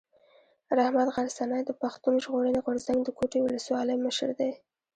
رحمت غرڅنی د پښتون ژغورني غورځنګ د کوټي اولسوالۍ مشر دی.